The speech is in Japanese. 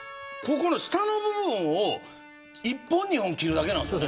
下の部分を１本２本切るだけなんですね。